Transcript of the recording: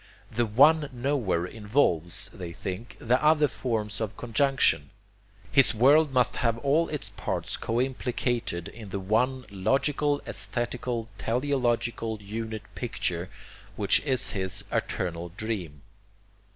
The one knower involves, they think, the other forms of conjunction. His world must have all its parts co implicated in the one logical aesthetical teleological unit picture which is his eternal dream.